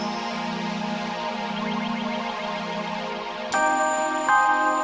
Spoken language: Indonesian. sampai jumpa di video selanjutnya